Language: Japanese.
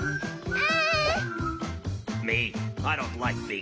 あ！